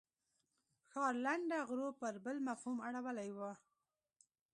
ښار لنډه غرو پر بل مفهوم اړولې وه.